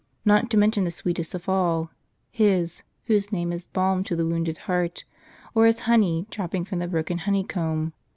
Not to mention the sweetest of all, His, whose name is balm to the wounded heart, or as honey dropping from the broken honeycomb.